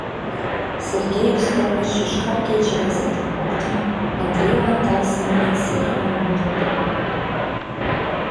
— Сергей ӱстел гыч «Йошкар кече» газетым луктын, Андрийлан тарзе нерген серымым лудын пуа.